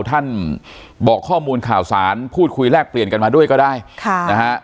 ท่านบอกข้อมูลข่าวสารพูดคุยแลกเปลี่ยนกันมาด้วยก็ได้ค่ะนะฮะ